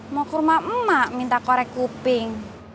mau ke rumah emak minta korek kuping